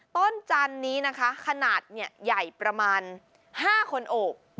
จันนี้นะคะขนาดใหญ่ประมาณ๕คนโอบ